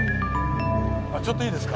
あちょっといいですか？